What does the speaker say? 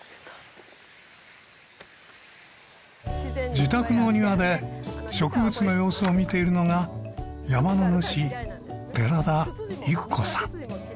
自宅の庭で植物の様子を見ているのが山の主寺田郁子さん。